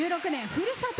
ふるさと